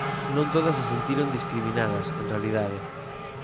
Non todas se sentiron discriminadas, en realidade.